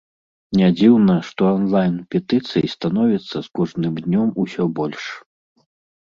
Нядзіўна, што анлайн-петыцый становіцца з кожным днём усё больш.